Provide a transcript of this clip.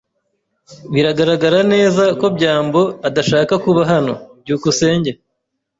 Biragaragara neza ko byambo adashaka kuba hano. byukusenge